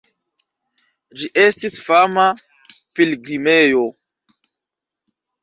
Ĝi estis fama pilgrimejo.